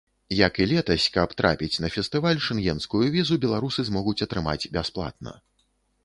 Як і летась, каб трапіць на фестываль, шэнгенскую візу беларусы змогуць атрымаць бясплатна.